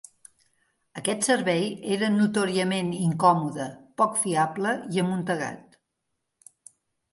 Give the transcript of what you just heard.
Aquest servei era notòriament incòmode, poc fiable i amuntegat.